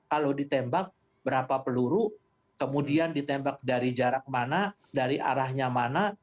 kalau ditembak berapa peluru kemudian ditembak dari jarak mana dari arahnya mana